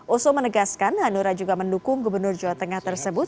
oso menegaskan hanura juga mendukung gubernur jawa tengah tersebut